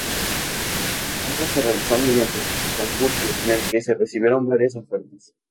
La compra se realizó mediante concurso, en el que se recibieron varias ofertas.